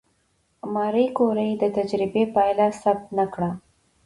ماري کوري د تجربې پایله ثبت نه کړه؟